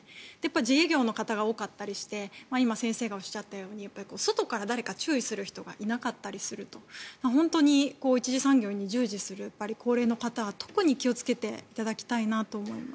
自営業の方が多かったりして今、先生がおっしゃったように外から誰か注意する人がいなかったりすると本当に一次産業に従事する高齢の方は特に気をつけていただきたいなと思います。